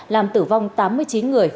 làm tử vong tám mươi chín người